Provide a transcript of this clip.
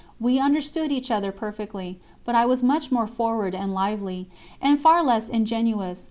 We understood each other perfectly, but I was much more forward and lively, and far less ingenuous.